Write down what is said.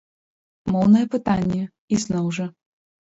Моўнае пытанне, ізноў жа.